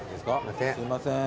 すいません。